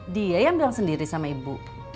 dia yang bilang sendiri sama ibu